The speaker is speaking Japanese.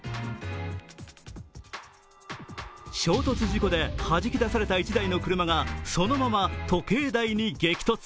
衝突事故ではじき出された１台の車がそのまま時計台に激突。